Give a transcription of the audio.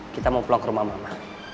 kita mau pulang ke rumah mama